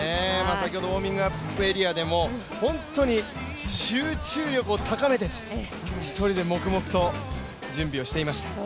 先ほどウォーミングアップエリアでも本当に集中力を高めて１人で黙々と準備をしていました。